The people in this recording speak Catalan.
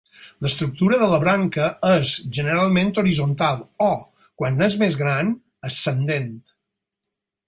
L'estructura de la branca és generalment horitzontal o, quan és més gran, ascendent.